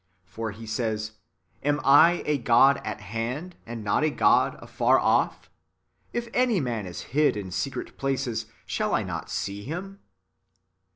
For he says, "Am I a God at hand, and not a God afar off? If any man is hid in secret places, shall I not see him